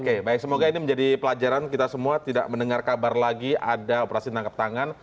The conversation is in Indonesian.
oke baik semoga ini menjadi pelajaran kita semua tidak mendengar kabar lagi ada operasi tangkap tangan